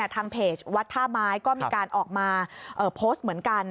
ทางเพจวัดท่าไม้ก็มีการออกมาโพสต์เหมือนกัน